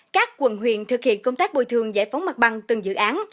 các quận huyện thực hiện công tác bồi thường giải phóng mặt bằng từng dự án